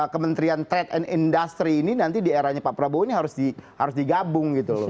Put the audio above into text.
kementerian trade and industry ini nanti di eranya pak prabowo ini harus digabung gitu loh